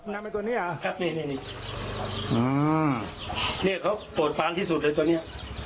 นำไปตรงเนี้ยครับนี่นี่นี่อืมเนี้ยเขาโปรดพล้านที่สุดเลยตรงเนี้ย